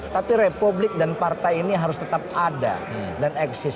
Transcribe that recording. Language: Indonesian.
tapi republik dan partai ini harus tetap ada dan eksis